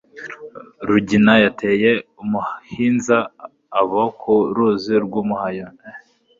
Rugina yateye umuhinza Abo ku ruzi rw’umuhayo,